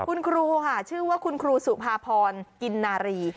คุณครูค่ะชื่อว่าคุณครูสุภาพรกินนารี